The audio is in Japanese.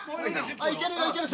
いけるよいける。